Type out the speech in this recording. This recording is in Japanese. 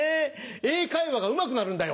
英会話がうまくなるんだよ。